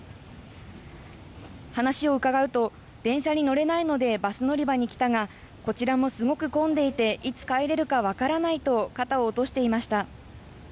話を伺うと、電車に乗れないのでバス乗り場に来たがこちらも、すごく混んでいていつ帰れるか分からないと肩を落としていました。